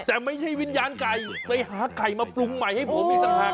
แต่ไม่ใช่วิญญาณไก่ไปหาไก่มาปรุงใหม่ให้ผมอีกต่างหาก